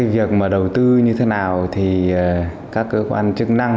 việc mà đầu tư như thế nào thì các cơ quan chức năng